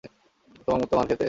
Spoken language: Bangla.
তোর মতো মার খেতে?